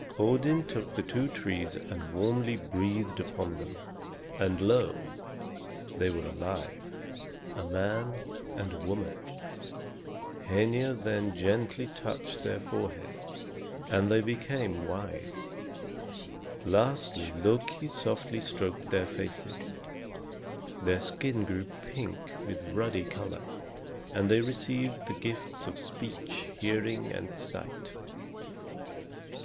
Odin took the two trees and warmly breathed upon them; and lo! they were alive, a man and a woman. Hœnir then gently touched their foreheads, and they became wise. Lastly Loki softly stroked their faces; their skin grew pink with ruddy color, and they received the gifts of speech, hearing, and sight.